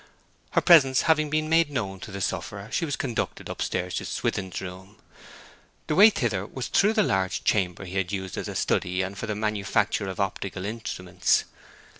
Her presence having been made known to the sufferer, she was conducted upstairs to Swithin's room. The way thither was through the large chamber he had used as a study and for the manufacture of optical instruments.